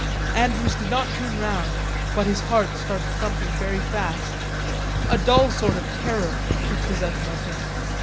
Andrews did not turn round, but his heart started thumping very fast. A dull sort of terror took possession of him.